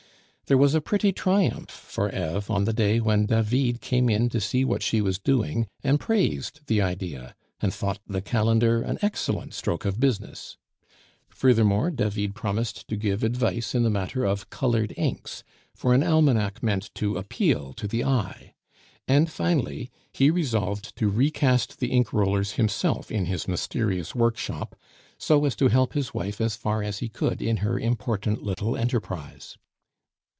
There was a pretty triumph for Eve on the day when David came in to see what she was doing, and praised the idea, and thought the calendar an excellent stroke of business. Furthermore, David promised to give advice in the matter of colored inks, for an almanac meant to appeal to the eye; and finally, he resolved to recast the ink rollers himself in his mysterious workshop, so as to help his wife as far as he could in her important little enterprise.